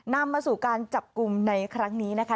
นำมาสู่การจับกลุ่มในครั้งนี้นะคะ